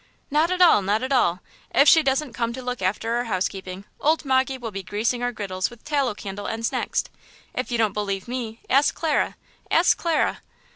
"Not at all; not at all! If she doesn't come to look after our housekeeping, old Moggy will be greasing our griddles with tallow candle ends next! If you don't believe me, ask Clara, ask Clara!"